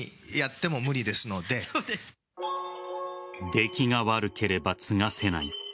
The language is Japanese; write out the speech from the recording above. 出来が悪ければ継がせない。